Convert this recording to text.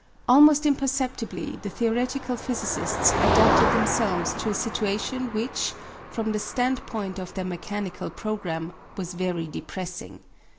Almost imperceptibly the theoretical physicists adapted themselves to a situation which, from the standpoint of their mechanical programme, was very depressing.